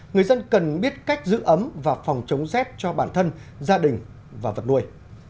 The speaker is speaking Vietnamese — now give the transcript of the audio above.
người dân cần biết cách giữ ấm và phòng chống rét cho bản thân gia đình và vật nuôi